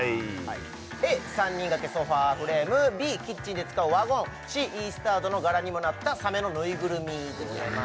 Ａ３人掛けソファフレームＢキッチンで使うワゴンＣイースタードの柄にもなったサメのぬいぐるみでございます